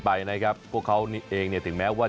ไปนะครับพวกเขานี่เองเนี่ยถึงแม้ว่า